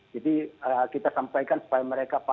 jadi kita sampaikan supaya mereka paham